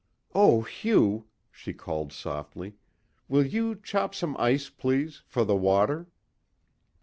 "Oh Hugh," she called softly, "will you chop some ice, please, for the water."